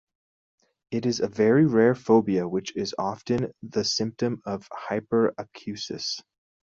It is a very rare phobia which is often the symptom of hyperacusis.